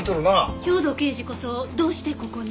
兵藤刑事こそどうしてここに？